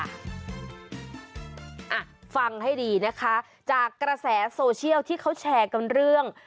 อ่ะฟังให้ดีนะคะจากกระแสโซเชียลที่เขาแชร์กันเรื่อง